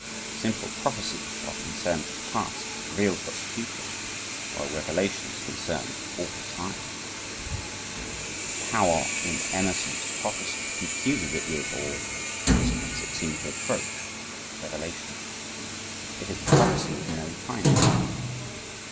Simple prophecy, while concerned with the past, reveals but the future, while revelation is concerned with all time. The power in Emerson's prophecy confuses it with or at least makes it seem to approach revelation. It is prophecy with no time element.